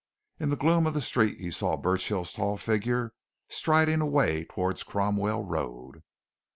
In the gloom of the street he saw Burchill's tall figure striding away towards Cromwell Road.